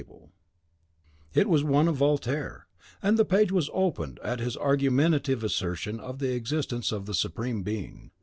A volume lay on a table, it was one of Voltaire, and the page was opened at his argumentative assertion of the existence of the Supreme Being.